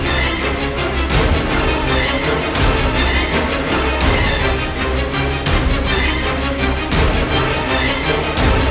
aku kenal baik dengan ayahmu